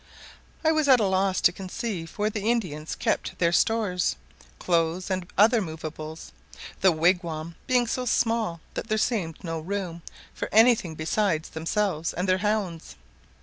I was at a loss to conceive where the Indians kept their stores, clothes, and other moveables, the wigwam being so small that there seemed no room for any thing besides themselves and their hounds.